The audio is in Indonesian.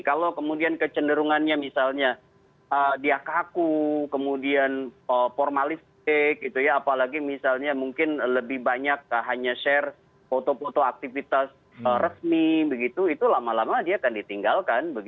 kalau kemudian kecenderungannya misalnya dia kaku kemudian formalistik apalagi misalnya mungkin lebih banyak hanya share foto foto aktivitas resmi begitu itu lama lama dia akan ditinggalkan